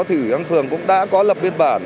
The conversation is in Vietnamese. thì phường cũng đã có lập biên bản